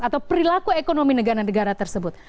atau perilaku ekonomi negara negara tersebut